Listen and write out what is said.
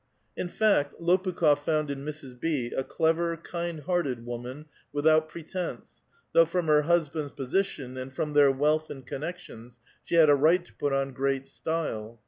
In fact, Lopukh6f found in Mrs. B. a clever, kind hearted woman, without pretence, though from her husband's posi tion, and from their wealth and connections, she hjid a right to put on great style.